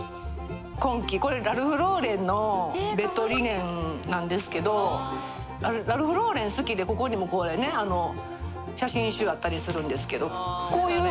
今季これラルフローレンのベッドリネンなんですけどラルフローレン好きでここにもこれねあの写真集あったりするんですけど。